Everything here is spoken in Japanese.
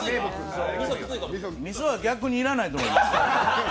みそは逆に要らないと思います。